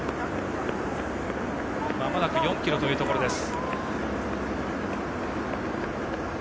まもなく４ｋｍというところです。